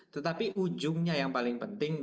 tetapi ujungnya yang paling penting